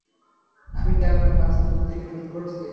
আমি কী আপনার শান্তি নষ্ট করছি?